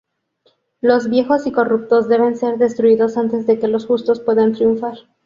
Los viejos y corruptos deben ser destruidos antes de que los justos puedan triunfar.